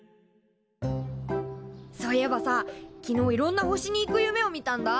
そういえばさ昨日いろんな星に行く夢を見たんだ。